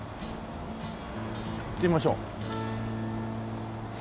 行ってみましょう。